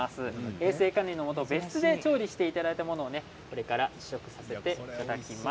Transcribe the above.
衛生管理のもと別室で調理していただいたものを試食させていただきます。